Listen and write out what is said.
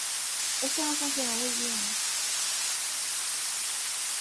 Esto no funcionó muy bien.